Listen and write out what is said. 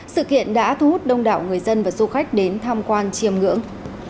sự kiện đã thu hút đông đảo người dân và du khách đến tham quan chiêm ngưỡng